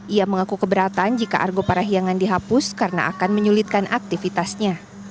ia mengaku keberatan jika argo parahiangan dihapus karena akan menyulitkan aktivitasnya